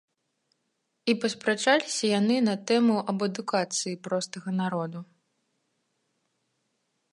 І паспрачаліся яны на тэму аб адукацыі простага народу.